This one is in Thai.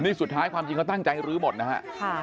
นี่สุดท้ายความจริงเขาตั้งใจรื้อหมดนะฮะ